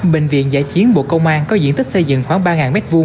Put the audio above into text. bệnh viện giã chiến bộ công an có diện tích xây dựng khoảng ba m hai